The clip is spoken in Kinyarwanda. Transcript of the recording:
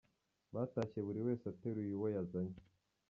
Batashye buri wese ateruye uwo yazanye.